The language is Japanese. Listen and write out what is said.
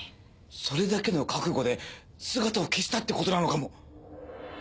それだけの覚悟で姿を消したってことなのかも。